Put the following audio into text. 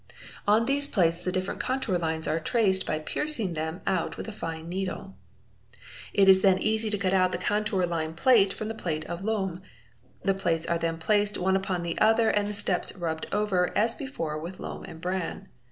On these plates the different contour lines are traced by piercing them out with a fine needle MODELLING 471 It is then easy to cut out the contour line plate from the plate of loam. The plates are then placed one upon the other and the steps rubbed over as before with loam and bran.